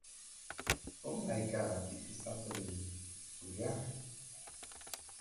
Behind the bay's large dunes, stretches the freshwater Sandwood Loch.